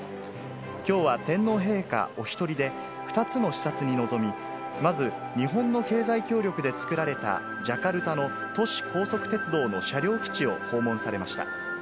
きょうは天皇陛下お一人で２つの視察に臨み、まず、日本の経済協力で作られたジャカルタの都市高速鉄道の車両基地を訪問されました。